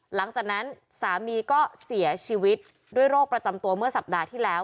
หลังจากนั้นสามีก็เสียชีวิตด้วยโรคประจำตัวเมื่อสัปดาห์ที่แล้ว